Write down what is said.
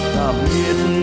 tạm biệt hà nội vào đông